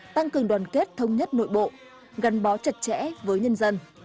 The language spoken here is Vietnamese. tăng cường đoàn kết thống nhất nội bộ gắn bó chặt chẽ với nhân dân